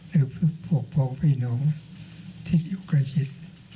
หรือปกป้องพี่น้องที่อยู่ใกล้ชิด